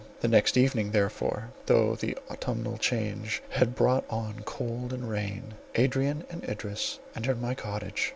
The next evening therefore, though the autumnal change had brought on cold and rain, Adrian and Idris entered my cottage.